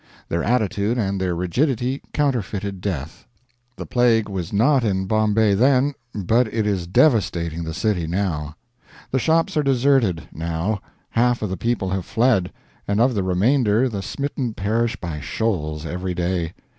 Their attitude and their rigidity counterfeited death. The plague was not in Bombay then, but it is devastating the city now. The shops are deserted, now, half of the people have fled, and of the remainder the smitten perish by shoals every day.